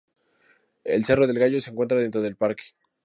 El cerro del Gallo se encuentra dentro del parque.